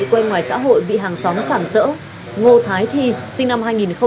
quên ngoài xã hội bị hàng xóm sảm sỡ ngô thái thi sinh năm hai nghìn bảy